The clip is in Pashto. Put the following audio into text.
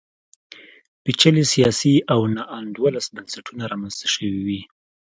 پېچلي سیاسي او ناانډوله بنسټونه رامنځته شوي وي.